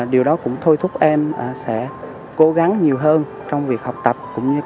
điều đó cũng thôi thúc em sẽ cố gắng nhiều hơn trong việc học tập